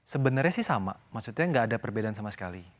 sebenarnya sih sama maksudnya nggak ada perbedaan sama sekali